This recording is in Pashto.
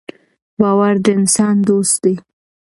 باور د انسان دوست دی.